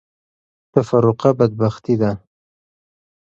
تفرقه بدبختي ده.